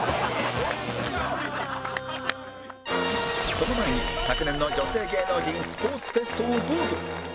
その前に昨年の女性芸能人スポーツテストをどうぞ